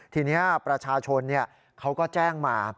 ทีนี้ประชาชนเขาก็แจ้งมา